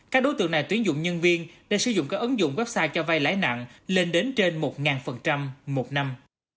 các đối tượng này tuyển dụng nhân viên để sử dụng các ứng dụng website cho vay lãi nặng lên đến trên một một năm